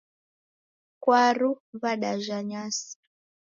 Kwaru w'adaja nyasi.